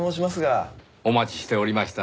お待ちしておりました。